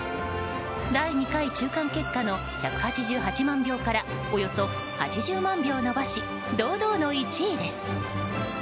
第２回中間結果の１８８万票からおよそ８０万票伸ばし堂々の１位です。